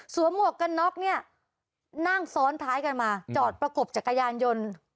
หมวกกันน็อกเนี่ยนั่งซ้อนท้ายกันมาจอดประกบจักรยานยนต์